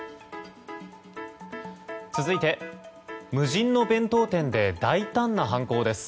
続いて無人の弁当店で大胆な犯行です。